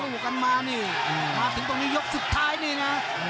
มาถึงตรงนี้ยกสุดท้ายนี่นะ